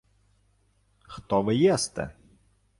— Хто ви єсте?